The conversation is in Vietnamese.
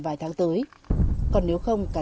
vài tháng tới còn nếu không cả